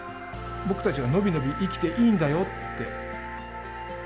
僕たちは伸び伸び生きていいんだよって。